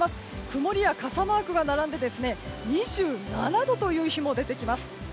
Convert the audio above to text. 曇りや傘マークが並んで２７度という日も出てきます。